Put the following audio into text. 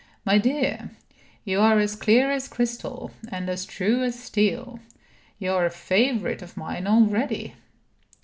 "My dear, you are as clear as crystal, and as true as steel. You are a favorite of mine already."